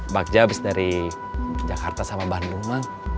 bagja abis dari jakarta sama bandung mah